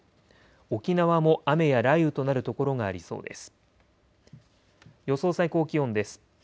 沖縄も雨や雷雨となる所がありそうです。